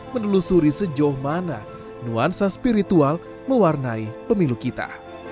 menelusuri sejauh mana nuansa spiritual mewarnai pemilu kita